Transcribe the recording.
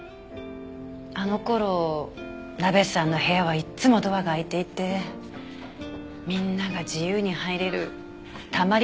あの頃ナベさんの部屋はいつもドアが開いていてみんなが自由に入れるたまり場みたいになってました。